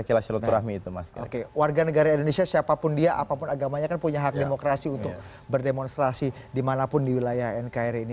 oke warga negara indonesia siapapun dia apapun agamanya kan punya hak demokrasi untuk berdemonstrasi dimanapun di wilayah nkri ini